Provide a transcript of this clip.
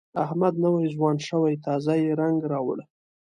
احمد نوی ځوان شوی، تازه یې رنګ راوړ.